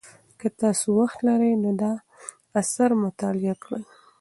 که تاسو وخت لرئ نو دا اثر مطالعه کړئ.